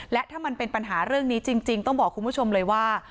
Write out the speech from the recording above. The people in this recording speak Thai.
และถ้ามันเป็นปัญหาเรื่องนี้จริงต้องบอกคุณผู้ชมเลยว่า